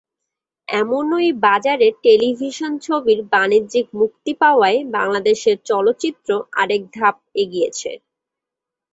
এমনই বাজারে টেলিভিশন ছবির বাণিজ্যিক মুক্তি পাওয়ায় বাংলাদেশের চলচ্চিত্র আরেক ধাপ এগিয়েছে।